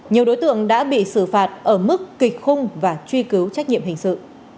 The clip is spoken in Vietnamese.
nhiều đối tượng đã bị xử phạt ở mức kịch khung và truy cứu trách nhiệm hình sự